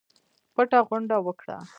پټه غونډه وکړه.